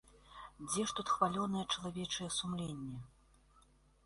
Дзе ж тут хвалёнае чалавечае сумленне?